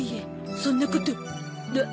そんなことおっ？